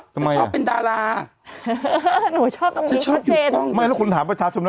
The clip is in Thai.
ทำไมอ่ะชอบเป็นดาราหนูชอบตรงนี้ฉันชอบอยู่ไม่แล้วคุณถามประชาชมนั้น